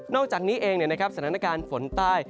อกจากนี้เองสถานการณ์ฝนใต้